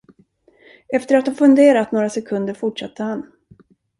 Efter att ha funderat några sekunder fortsatte han.